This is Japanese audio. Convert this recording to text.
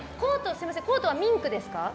コートはミンクですか？